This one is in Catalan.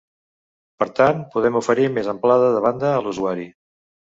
Per tant, podem oferir més amplada de banda a l'usuari.